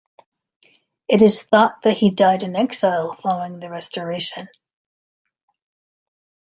It is thought that he died in exile following the Restoration.